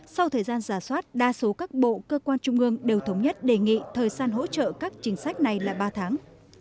sau thời gian giả soát đa số các bộ cơ quan trung ương đều thống nhất đề nghị thời gian hỗ trợ các chính sách này là ba tháng